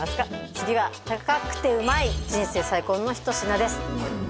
次は高くてうまい人生最高の一品です